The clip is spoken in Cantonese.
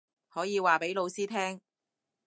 可以話畀老師聽